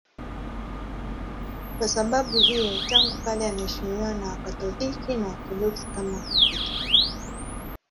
Kwa sababu hiyo tangu kale anaheshimiwa na Wakatoliki na Waorthodoksi kama mtakatifu.